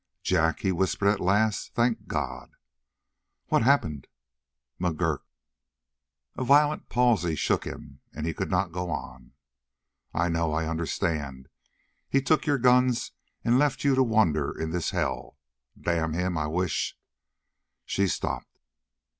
"Jack!" he whispered at last. "Thank God!" "What's happened?" "McGurk " A violent palsy shook him, and he could not go on. "I know I understand. He took your guns and left you to wander in this hell! Damn him! I wish " She stopped.